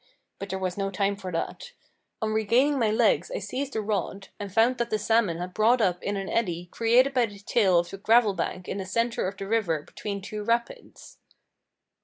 But there was no time for that. On regaining my legs I seized the rod, and found that the salmon had brought up in an eddy created by the tail of a gravel bank in the centre of the river between two rapids.